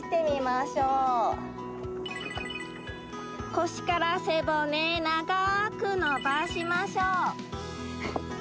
腰から背骨長く伸ばしましょう。